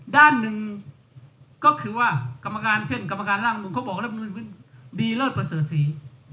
ด้านหนึ่งก็คือว่ากรรมการเช่นกรรมการร่างนุมเขาบอกรับนูลดีเลิศประเสริฐศรี